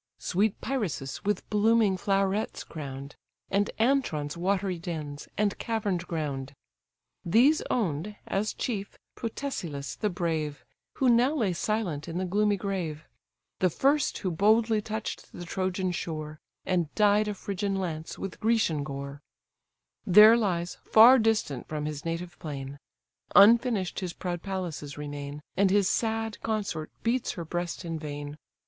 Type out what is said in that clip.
Sweet Pyrrhasus, with blooming flowerets crown'd, And Antron's watery dens, and cavern'd ground. These own'd, as chief, Protesilas the brave, Who now lay silent in the gloomy grave: The first who boldly touch'd the Trojan shore, And dyed a Phrygian lance with Grecian gore; There lies, far distant from his native plain; Unfinish'd his proud palaces remain, And his sad consort beats her breast in vain.